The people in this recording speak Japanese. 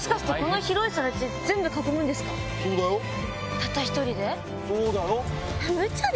たった１人で？